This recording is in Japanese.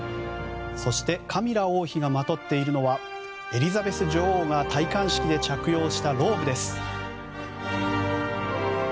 カミラ王妃がまとっているのはエリザベス女王が戴冠式で着用したローブです。